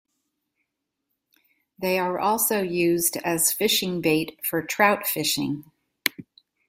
They are also used as fishing bait for trout fishing.